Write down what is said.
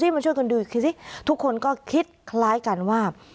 มาช่วยกันดูอีกทีสิทุกคนก็คิดคล้ายกันว่า